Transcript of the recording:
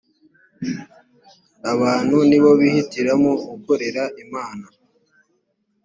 abantu ni bo bihitiramo gukorera imana